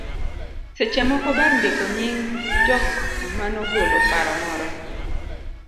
Seche moko ber ndiko nying jok manogolo paro moro